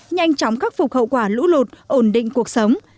nhanh chóng khắc phục hậu quả lũ lụt ổn định cuộc sống